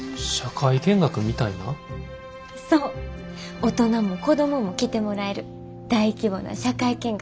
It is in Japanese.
大人も子供も来てもらえる大規模な社会見学！